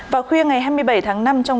vào khuya ngày hai mươi bảy tháng năm